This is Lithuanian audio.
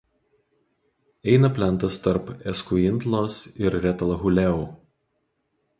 Eina plentas tarp Eskuintlos ir Retalhuleu.